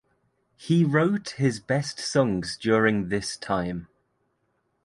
He wrote his best songs during this time.